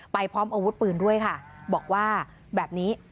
พร้อมอาวุธปืนด้วยค่ะบอกว่าแบบนี้